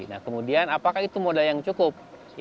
nah kemudian apakah itu modal yang cukup